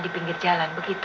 di pinggir jalan begitu